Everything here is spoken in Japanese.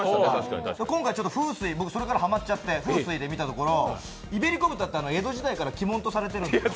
今回、風水、それから僕はまっちゃって、風水で見たらイベリコ豚って、江戸時代から鬼門とされているんですよ。